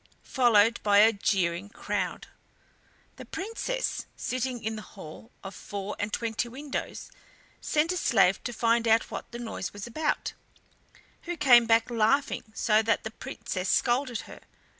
followed by a jeering crowd. The Princess, sitting in the hall of four and twenty windows, sent a slave to find out what the noise was about, who came back laughing, so that the Princess scolded her.